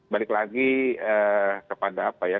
balik lagi kepada apa ya